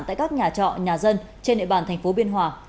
tại các nhà trọ nhà dân trên địa bàn thành phố biên hòa